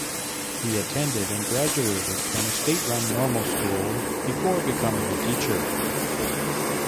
He attended and graduated from a state-run normal school before becoming a teacher.